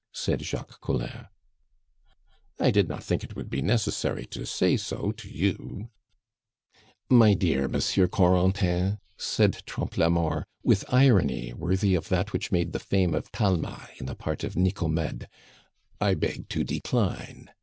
said Jacques Collin. "I did not think it would be necessary to say so to you " "My dear Monsieur Corentin," said Trompe la Mort, with irony worthy of that which made the fame of Talma in the part of Nicomede, "I beg to decline.